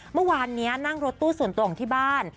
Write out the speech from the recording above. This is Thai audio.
เมื่อวานนี้นั่งรถตู้ส่วนตัวของที่บ้าน